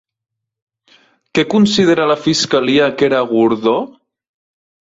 Què considera la Fiscalia que era Gordó?